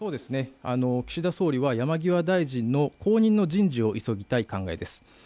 岸田総理は山際大臣の後任の人事を急ぎたい考えです。